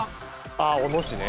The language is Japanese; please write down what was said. あぁ小野市ね。